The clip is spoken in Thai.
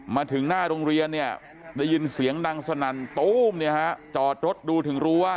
มาถึงหน้าโรงเรียนเนี่ยได้ยินเสียงดังสนั่นตู้มเนี่ยฮะจอดรถดูถึงรู้ว่า